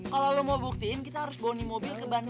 kalau lu mau buktiin kita harus bawa mobil ke tempat lain ya